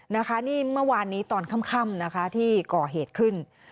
นะคะนี่เมื่อวานนี้ตอนค่ำนะคะที่ก่อเหตุขึ้น